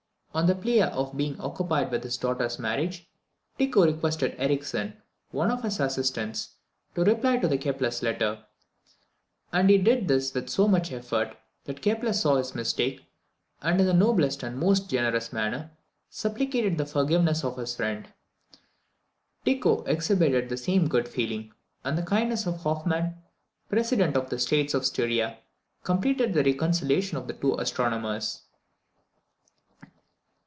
On the plea of being occupied with his daughter's marriage, Tycho requested Ericksen, one of his assistants, to reply to Kepler's letter; and he did this with so much effect, that Kepler saw his mistake, and in the noblest and most generous manner supplicated the forgiveness of his friend. Tycho exhibited the same good feeling; and the kindness of Hoffman, President of the States of Styria, completed the reconciliation of the two astronomers.